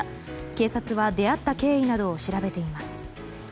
警察は出会った経緯などを調べています。